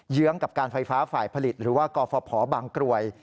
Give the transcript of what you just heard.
ื้องกับการไฟฟ้าฝ่ายผลิตหรือว่ากฟภบางกรวย